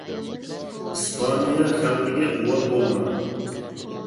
( ئىسپانىيە خەلقىگە ئۇۋال بولغان.)